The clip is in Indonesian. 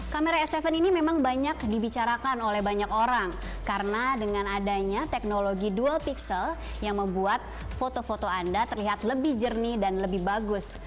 kamera s tujuh ini memang banyak dibicarakan oleh banyak orang karena dengan adanya teknologi dual pixel yang membuat foto foto anda terlihat lebih jernih dan lebih bagus